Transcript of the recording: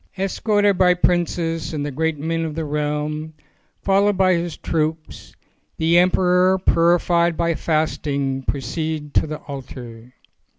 Es corted by princes and the great men of the realm, followed by his troops, the emperor purified by fasting proceeded to the altar.